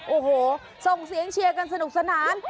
โอ้โหส่งเสียงเชียร์กันสนุกสนาน